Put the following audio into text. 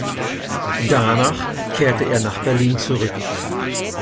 Danach kehrte er nach Berlin zurück.